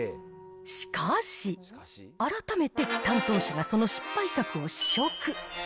しかし、改めて担当者がその失敗作を試食。